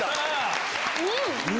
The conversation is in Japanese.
うん！